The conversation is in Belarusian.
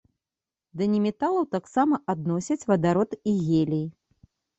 Да неметалаў таксама адносяць вадарод і гелій.